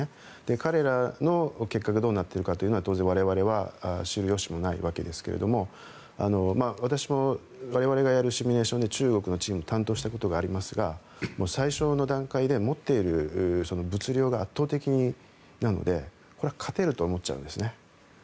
彼らの結果がどうなっているかというのは当然、我々は知る由もないわけですけれども私も我々がやるシミュレーションに中国のチームを担当したことがありますが最初の段階で持っている物量が圧倒的なのでこれは勝てると思っちゃうんですね。